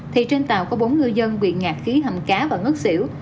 thì trên tàu có bốn ngư dân bị ngạt khí hầm cá và ngất xỉu